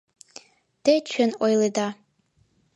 — Те чын ойледа.